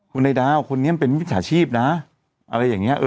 คุณไนดาวคนนี้มันเป็นวิทยาชีพนะ